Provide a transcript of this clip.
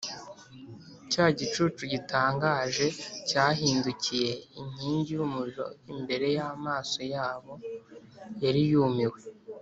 ”cya gicu gitangaje cyahindukiye inkingi y’umuriro imbere y’amaso yabo yari yumiwe.